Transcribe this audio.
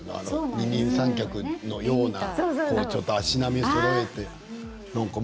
二人三脚のようなね足並みをそろえてね